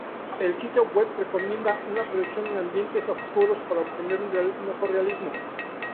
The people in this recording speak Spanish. El sitio web recomienda una proyección en ambientes oscuros para obtener un mejor realismo.